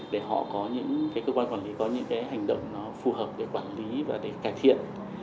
để họ có những hành động phù hợp để quản lý và cải thiện